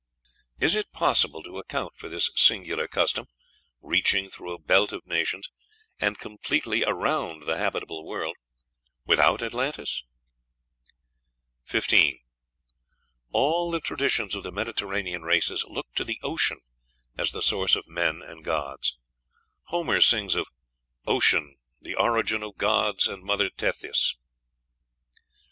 Is it possible to account for this singular custom, reaching through a belt of nations, and completely around the habitable world, without Atlantis? 15. All the traditions of the Mediterranean races look to the ocean as the source of men and gods. Homer sings of "Ocean, the origin of gods and Mother Tethys."